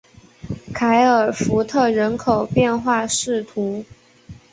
凯尔福特人口变化图示